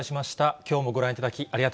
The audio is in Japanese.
きょうもご覧いただき、ありがと